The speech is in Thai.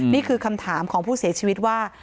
นี่คือคำถามของผู้เสียชีวิตว่า